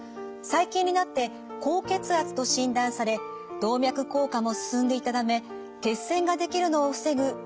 最近になって高血圧と診断され動脈硬化も進んでいたため血栓が出来るのを防ぐ